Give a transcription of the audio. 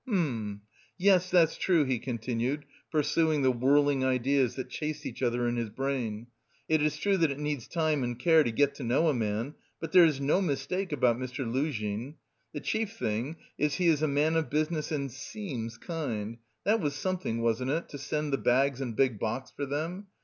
"Hm... yes, that's true," he continued, pursuing the whirling ideas that chased each other in his brain, "it is true that 'it needs time and care to get to know a man,' but there is no mistake about Mr. Luzhin. The chief thing is he is 'a man of business and seems kind,' that was something, wasn't it, to send the bags and big box for them!